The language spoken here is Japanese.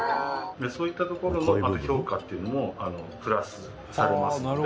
「そういったところのまた評価っていうのもプラスされますので」